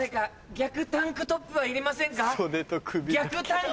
逆タンクトップはいりませんか？